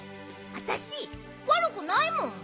あたしわるくないもん。